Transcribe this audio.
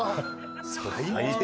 最低。